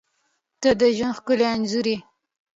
• ته د ژوند ښکلی انځور یې.